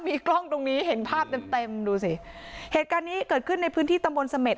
มีกล้องตรงนี้เห็นภาพเต็มเต็มดูสิเหตุการณ์นี้เกิดขึ้นในพื้นที่ตำบลเสม็ด